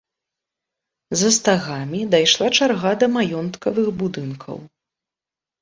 За стагамі дайшла чарга да маёнткавых будынкаў.